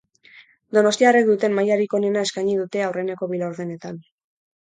Donostiarrek duten mailarik onena eskaini dute aurreneko bi laurdenetan.